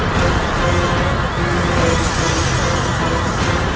jangan sampai kau menyesal sudah menentangku